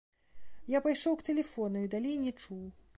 Я пайшоў к тэлефону і далей не чуў.